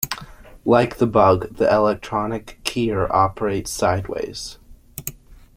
Like the bug, the electronic keyer operates sideways.